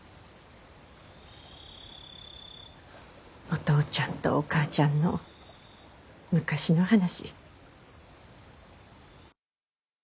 お父ちゃんとお母ちゃんの昔の話。